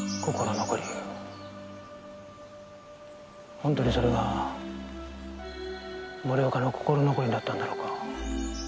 本当にそれが森岡の心残りだったんだろうか。